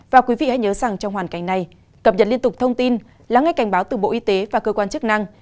và quý vị hãy nhớ rằng trong hoàn cảnh này cập nhật liên tục thông tin lắng nghe cảnh báo từ bộ y tế và cơ quan chức năng